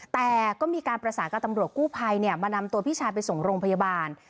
แต่ก็มีการประสานกับตำรวจกู้ภัยมานำตัวพี่ชายไปส่งโรงพยาบาล